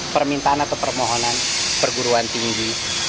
permintaan atau permohonan perguruan tinggi